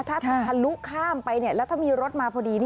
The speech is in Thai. ถ้าทะลุข้ามไปแล้วถ้ามีรถมาพอดี